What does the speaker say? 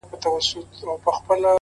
سیاه پوسي ده. اوښکي نڅېږي.